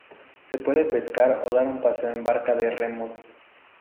Se puede pescar o dar un paseo en barca de remos.